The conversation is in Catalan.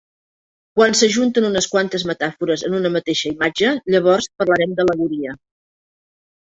Quan s'ajunten unes quantes metàfores en una mateixa imatge, llavors parlarem d'al·legoria.